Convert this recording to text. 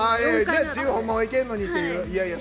ほんまはいけんのにっていう。